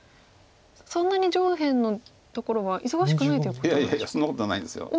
そんなに上辺のところは忙しくないということなんでしょうか。